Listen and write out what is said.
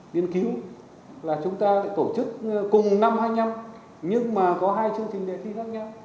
điên cứu là chúng ta tổ chức cùng năm hai nghìn hai mươi năm nhưng mà có hai chương trình đề thi khác nhau